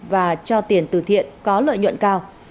và cho tiền từ thiện có lợi nhuận cao